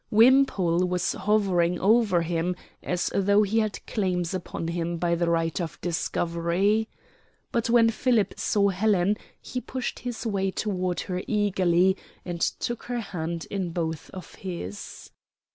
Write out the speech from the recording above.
Wimpole was hovering over him as though he had claims upon him by the right of discovery. But when Philip saw Helen, he pushed his way toward her eagerly and took her hand in both of his.